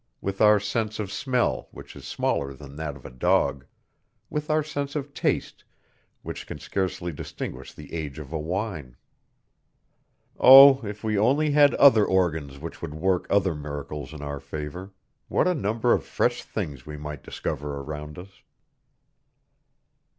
with our sense of smell which is smaller than that of a dog ... with our sense of taste which can scarcely distinguish the age of a wine! Oh! If we only had other organs which would work other miracles in our favor, what a number of fresh things we might discover around us!